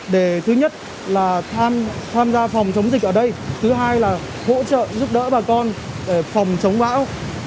để thứ nhất là tham gia phòng chống dịch ở đây thứ hai là hỗ trợ giúp đỡ bà con để phòng chống bão